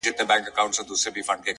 سره رڼا د سُرکو سونډو په کوټه کي _